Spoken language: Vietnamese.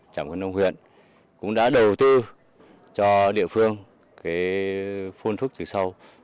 trảm khuân nông huyện cũng đã đầu tư cho địa phương phun phúc từ sâu